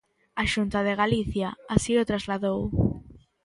A Xunta de Galicia así o trasladou.